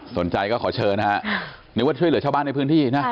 สนใจก็ขอเชิญนะครับเดี๋ยวช่วยเหลือชาวบ้านในพื้นที่นะ